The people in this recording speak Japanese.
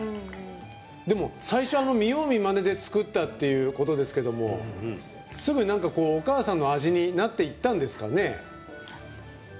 でも最初は見よう見まねで作ったっていうことですけどすぐにお母さんの味になっていったんですかね？